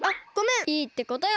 いいってことよ。